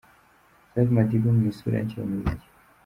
Safi Madiba mu isura nshya y'umuziki.